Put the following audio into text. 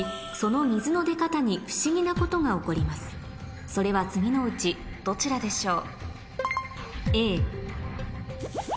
この時それは次のうちどちらでしょう？